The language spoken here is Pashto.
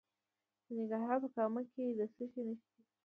د ننګرهار په کامه کې د څه شي نښې دي؟